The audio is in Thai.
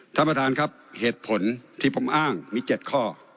ท่านประธานครับเหตุผลที่ผมอ้างมี๗ข้อ